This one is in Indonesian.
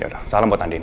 ya udah salam buat andin